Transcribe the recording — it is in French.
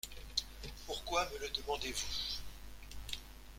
Pourquoi me le demandez-vous ?